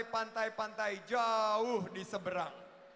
pantai pantai jauh di seberang